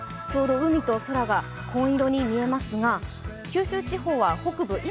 ちょうど海と空が紺色に見えますが、九州地方は北部